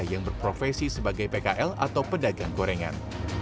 yang berprofesi sebagai pkl atau pedagang gorengan